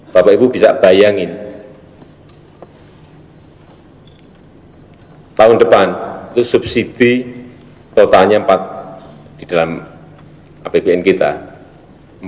bapak ibu bisa bayangin tahun depan itu subsidi totalnya empat di dalam apbn kita empat ratus tiga puluh tiga triliun